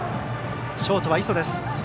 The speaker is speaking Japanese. ショートは磯です。